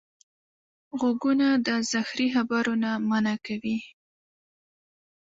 غوږونه د زهري خبرو نه منع کوي